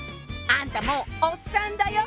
あんたもうおっさんだよ！